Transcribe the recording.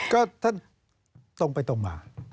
ก็ท่านตรงไปตรงมา